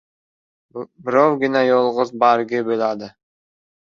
Birovgina yolg‘iz bargi bo‘ladi!